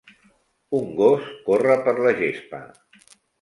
Un gos corre per la gespa